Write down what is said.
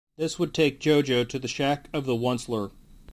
This would take JoJo to the shack of the Once-ler.